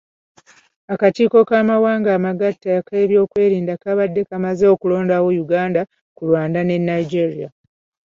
Akakiiko k'amawanga amagatte ak'ebyokwerinda kabadde kamaze okulondawo Uganda ku Rwanda ne Nigeria.